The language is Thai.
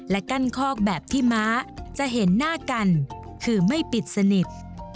กั้นคอกแบบที่ม้าจะเห็นหน้ากันคือไม่ปิดสนิท